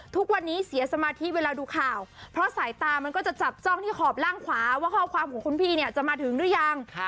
ทุกวันนี้เสียสมาธิเวลาดูข่าวเพราะสายตามันก็จะจับจ้องที่ขอบล่างขวาว่าข้อความของคุณพี่เนี่ยจะมาถึงหรือยัง